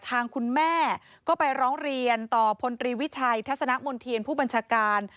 ทางคุณแม่ก็ไปร้องเรียนต่อพลตรีวิชัยทัศนมณ์เทียนผู้บัญชาการ